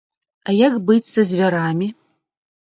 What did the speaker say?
А як быць са звярамі?